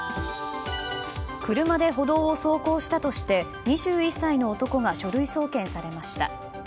車で歩道を走行したとして２１歳の男が書類送検されました。